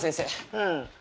うん。